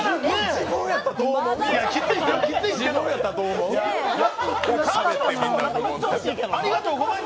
自分やったらどう思う？